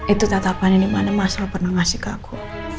itu tatapan yang dimana mas al pernah ngasih ke aku